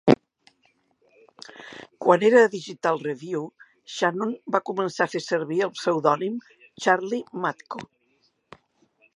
Quan era a "Digital Review", Shannon va començar a fer servir el pseudònim "Charlie Matco".